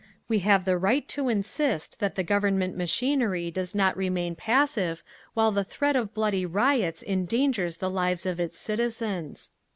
We have the right to insist that the Government machinery does not remain passive while the threat of bloody riots endangers the lives of its citizens…."